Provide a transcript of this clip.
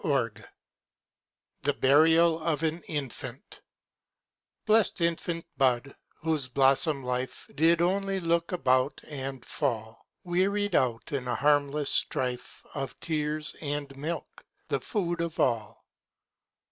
141 The Burial jq^ ^ of an Infant Blest infant bud, whose blossom life Did only look about, and fall, Wearied out in a harmless strife Of tears, and milk, the food of all